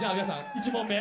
１問目。